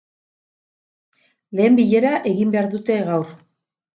Lehen billera egin behar dute gaur.